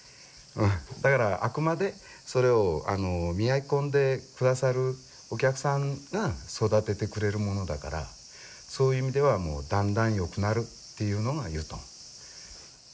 だからあくまでそれを磨き込んで下さるお客さんが育ててくれるものだからそういう意味ではだんだんよくなるっていうのが油団。